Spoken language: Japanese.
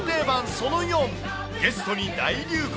その４、ゲストに大流行！